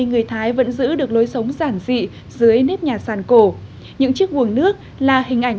người thái vẫn giữ được lối sống giản dị dưới nếp nhà sàn cổ những chiếc buồng nước là hình ảnh